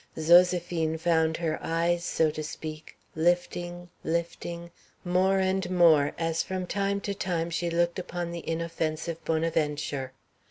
Zoséphine found her eyes, so to speak, lifting, lifting, more and more as from time to time she looked upon the inoffensive Bonaventure.